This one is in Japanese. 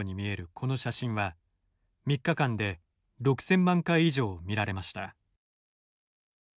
この写真は、３日間で６０００万回以上、見られました。